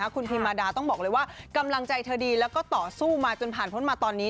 คุณพิมมาดาต้องบอกเลยว่ากำลังใจเธอดีแล้วก็ต่อสู้มาจนผ่านพ้นมาตอนนี้